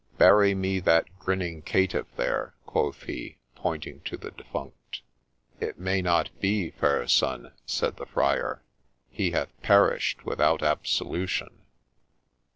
' Bury me that grinning caitiff there !' quoth he, pointing to the defunct. ' It may not be, fair son,' said the Friar ;' he hath perished without absolution.'